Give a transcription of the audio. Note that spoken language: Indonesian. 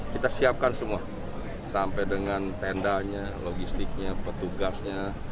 kita siapkan semua sampai dengan tendanya logistiknya petugasnya